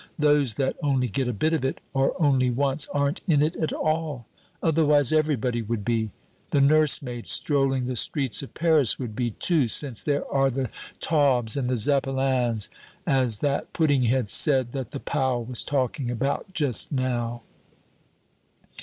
Those that only get a bit of it, or only once, aren't in it at all. Otherwise, everybody would be. The nursemaid strolling the streets of Paris would be, too, since there are the Taubes and the Zeppelins, as that pudding head said that the pal was talking about just now."